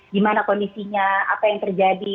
di mana kondisinya apa yang terjadi